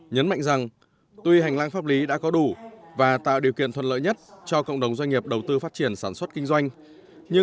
nhấn mạnh rằng tuy hành lang pháp lý đã có đủ và tạo điều kiện thuận lợi nhất cho cộng đồng doanh nghiệp đầu tư phát triển sản xuất kinh doanh